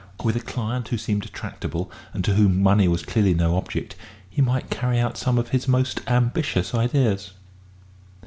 With a client who seemed tractable, and to whom money was clearly no object, he might carry out some of his most ambitious ideas.